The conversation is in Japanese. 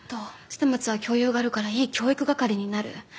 捨松は教養があるからいい教育係になる。